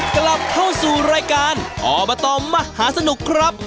กลับเข้าสู่รายการอบตมหาสนุกครับ